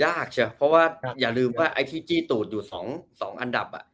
ยากเชียวเพราะว่าอย่าลืมไอ้ที่จี้ตูดอยู่๒อันดับ